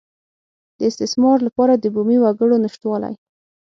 د استثمار لپاره د بومي وګړو نشتوالی.